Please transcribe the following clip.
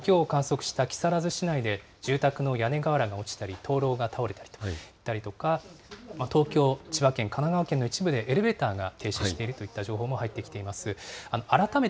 例えば５強を観測した木更津市内で住宅の屋根瓦が落ちたり、灯籠が倒れたりといったりとか、東京、千葉県、神奈川県の一部でエレベーターが停止しているといった情報も入ってきています。